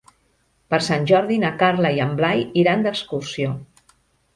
Per Sant Jordi na Carla i en Blai iran d'excursió.